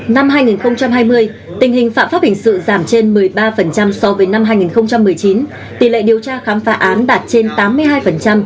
năm hai nghìn hai mươi tình hình phạm pháp hình sự giảm trên một mươi ba so với năm hai nghìn một mươi chín tỷ lệ điều tra khám phá án đạt trên tám mươi hai